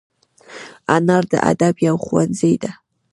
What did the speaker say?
انا د ادب یو ښوونځی ده